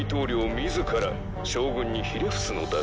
自ら将軍にひれ伏すのだから」